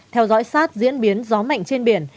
theo dõi sát diễn biến gió mạnh trên biển